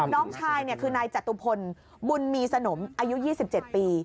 น้องชายคือนายจตุพลบุญมีสนมอายุ๒๗ปี